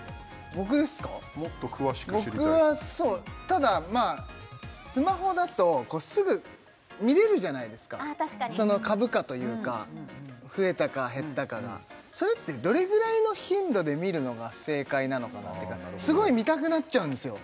僕ですかもっと詳しく知りたい僕はそうただまあスマホだとすぐ見れるじゃないですかあ確かにその株価というか増えたか減ったかがそれってどれぐらいの頻度で見るのが正解なのかなっていうかすごい見たくなっちゃうんですよ